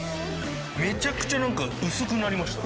めちゃくちゃ薄くなりました。